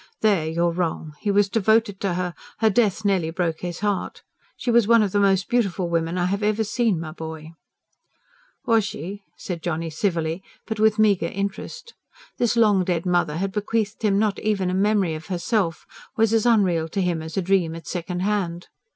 "There you're wrong. He was devoted to her. Her death nearly broke his heart. She was one of the most beautiful women I have ever seen, my boy." "Was she?" said Johnny civilly, but with meagre interest. This long dead mother had bequeathed him not even a memory of herself was as unreal to him as a dream at second hand.